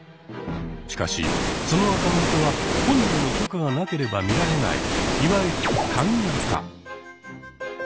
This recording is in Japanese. しかしそのアカウントは本人の許可がなければ見られないいわゆる「鍵アカ」。